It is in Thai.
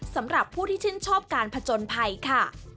สำหรับผู้ที่ชื่นชอบการผจญภัยค่ะ